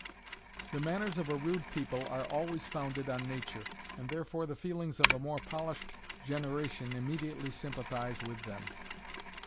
The manners of a rude people are always founded on nature, and therefore the feelings of a more polished generation immediately sympathize with them.